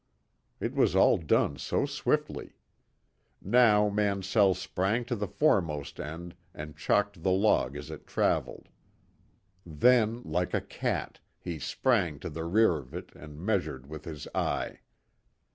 It was all done so swiftly. Now Mansell sprang to the foremost end and chalked the log as it traveled. Then, like a cat, he sprang to the rear of it and measured with his eye.